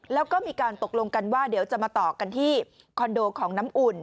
แล้วก็มีการตกลงกันว่าเดี๋ยวจะมาต่อกันที่คอนโดของน้ำอุ่น